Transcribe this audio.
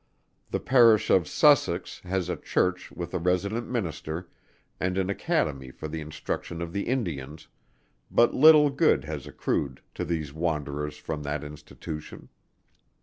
The Parish of Sussex has a Church with a resident Minister, and an Academy for the instruction of the Indians, but little good has accrued to these wanderers from that Institution.